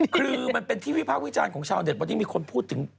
คือมันเป็นที่วิพากษ์วิจารณ์ของชาวเด็ดวันนี้มีคนพูดถึง